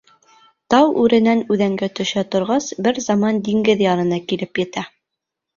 Тау үренән үҙәнгә төшә торғас, бер заман диңгеҙ ярына килеп етә.